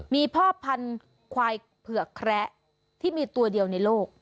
มีพ่อพันธุ์ควายเผือกแคระที่มีตัวเดียวในโลก